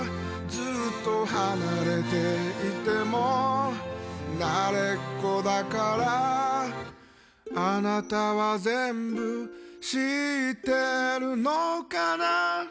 ずっと離れていても慣れっこだからあなたは全部知ってるのかな